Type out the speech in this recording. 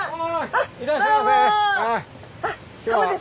いらっしゃいませ。